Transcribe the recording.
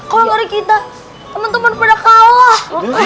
kalau lari kita temen temen pada kalah